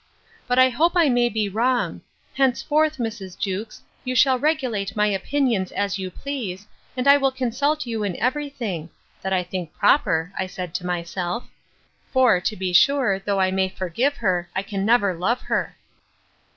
But I hope I may be wrong; henceforth, Mrs. Jewkes, you shall regulate my opinions as you please, and I will consult you in every thing—(that I think proper, said I to myself)—for, to be sure, though I may forgive her, I can never love her.